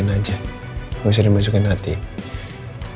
mungkin aja dia emosi karena dilarang ketemu sama reyna